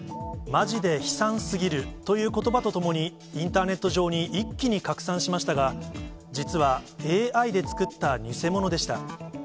まじで悲惨すぎるということばとともに、インターネット上に一気に拡散しましたが、実は、ＡＩで作った偽物でした。